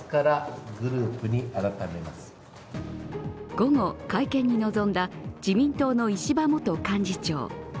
午後、会見に臨んだ自民党の石破元幹事長。